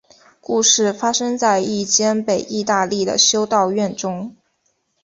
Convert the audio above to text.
故事发生在一间北意大利的修道院中。